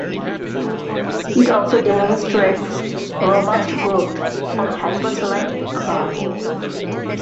It also demonstrates robust growth on hypersaline agar.